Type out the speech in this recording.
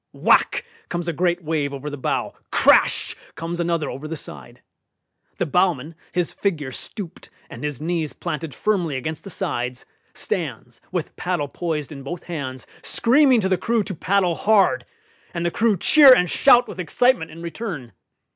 Whack! comes a great wave over the bow; crash! comes another over the side. The bowman, his figure stooped, and his knees planted firmly against the sides, stands, with paddle poised in both hands, screaming to the crew to paddle hard; and the crew cheer and shout with excitement in return.